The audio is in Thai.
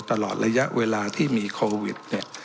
ตลอดระยะเวลาที่มีโควิด